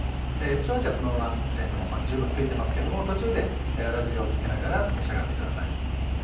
塩味はそのまま十分付いていますけども途中で粗塩付けながら召し上がってください。